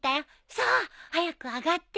さぁ早く上がってよ。